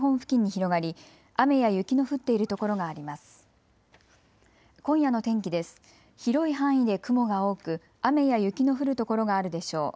広い範囲で雲が多く雨や雪の降る所があるでしょう。